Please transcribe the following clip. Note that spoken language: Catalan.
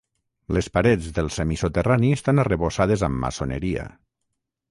Les parets del semisoterrani estan arrebossades amb maçoneria.